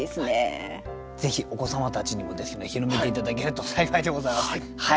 ぜひお子様たちにもですね広めて頂けると幸いでございます。